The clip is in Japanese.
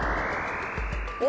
お！